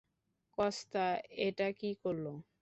Costa এটা কি করলো!